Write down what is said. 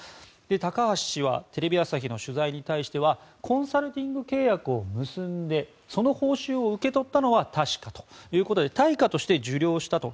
高橋氏はテレビ朝日の取材に対してはコンサルティング契約を結んでその報酬を受け取ったのは確かということで対価として受領したと。